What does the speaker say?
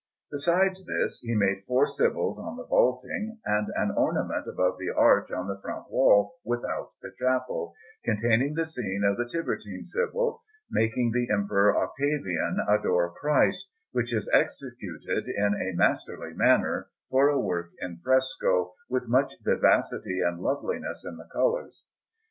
Besides this, he made four Sibyls on the vaulting, and an ornament above the arch on the front wall without the chapel, containing the scene of the Tiburtine Sibyl making the Emperor Octavian adore Christ, which is executed in a masterly manner for a work in fresco, with much vivacity and loveliness in the colours.